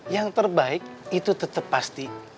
yang terbaik itu tetap pasti